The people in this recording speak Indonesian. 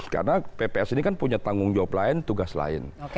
karena pps ini kan punya tanggung jawab lain tugas lain